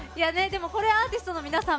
アーティストの皆さん